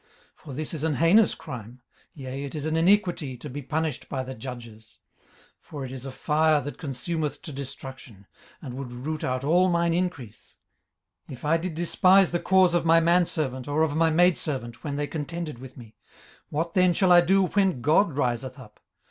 18:031:011 For this is an heinous crime; yea, it is an iniquity to be punished by the judges. 18:031:012 For it is a fire that consumeth to destruction, and would root out all mine increase. 18:031:013 If I did despise the cause of my manservant or of my maidservant, when they contended with me; 18:031:014 What then shall I do when God riseth up?